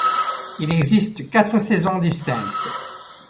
Il existe quatre saisons distinctes.